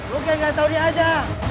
lo kayak gak tau dia aja